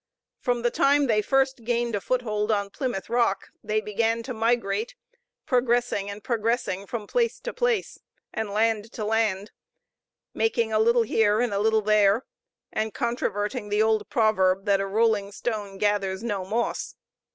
From the time they first gained a foothold on Plymouth Rock, they began to migrate, progressing and progressing from place to place, and land to land, making a little here and a little there, and controverting the old proverb, that a rolling stone gathers no moss.